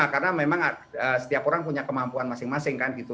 karena memang setiap orang punya kemampuan masing masing kan gitu